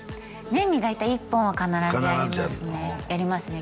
年に大体１本は必ずやりますねやりますね